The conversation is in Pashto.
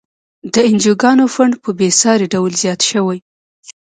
د انجوګانو فنډ په بیسارې ډول زیات شوی.